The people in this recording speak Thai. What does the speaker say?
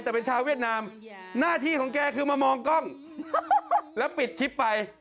แต่เป็นชาวเวียดนามหน้าที่ของแกคือมามองกล้องแล้วปิดทริปไป